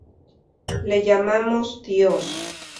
Le llamamos Dios.